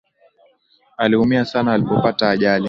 Aliumia sana alipopata ajali